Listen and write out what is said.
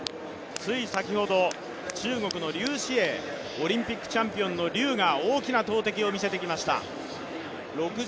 つい先ほど、中国の劉詩穎、オリンピックチャンピオンの劉が大きな投てきを見せてきました。